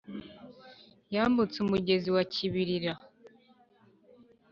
yambutse umugezi wa kibirira.